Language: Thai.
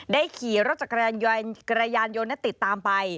ได้ขี่รถกระยานยนต์ติดตามไป